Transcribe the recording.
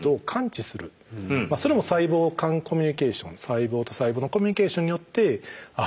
それも細胞間コミュニケーション細胞と細胞のコミュニケーションによってあっ